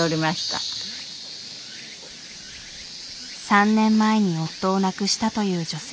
３年前に夫を亡くしたという女性。